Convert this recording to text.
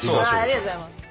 ありがとうございます。